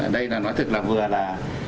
đây là nói thật là vừa là